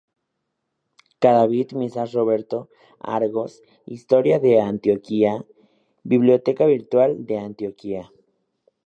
Cadavid Misas Roberto, Argos, Historia de Antioquia, Biblioteca Virtual de Antioquia.